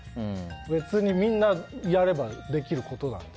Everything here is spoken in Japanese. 別にみんなやればできることなんで。